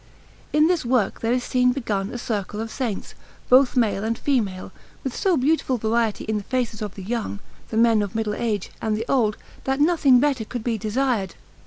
In this work there is seen begun a circle of saints, both male and female, with so beautiful variety in the faces of the young, the men of middle age, and the old, that nothing better could be desired.